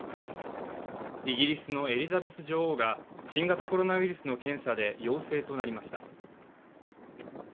イギリスのエリザベス女王が新型コロナウイルスの検査で陽性となりました。